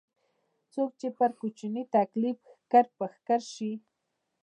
څوک چې پر کوچني تکليف ښکر په ښکر شي.